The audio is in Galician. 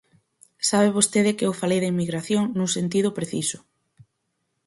Sabe vostede que eu falei da inmigración nun sentido preciso.